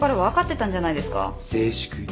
静粛に。